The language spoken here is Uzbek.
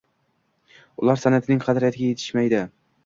Ular san’atning qadriga yetishmaydi.